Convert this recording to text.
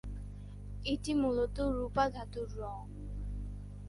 এটি মূলত রূপা ধাতুর রঙ।